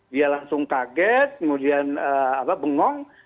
dia langsung kaget kemudian bengong